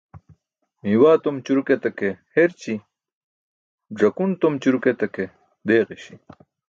Miiwaa tom ćuruk etake herći̇. Ẓakun tom ćuruk etake deeġaśi.